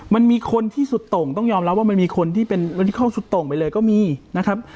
มันมีคนที่สุดโต่งต้องยอมเล่าว่ามันมีคนที่เป็นสุดโต่งไปเลยก็มีนะครับ